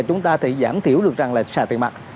chúng ta thì giảm thiểu được rằng là xài tiền mặt